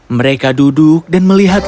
mereka duduk dan melihatnya